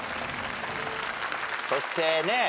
そしてねっ？